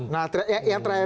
nah yang terakhir